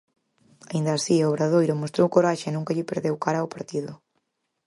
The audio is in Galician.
Aínda así, Obradoiro mostrou coraxe e nunca lle perdeu a cara ao partido.